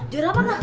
juara apa kak